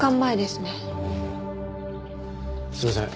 すいません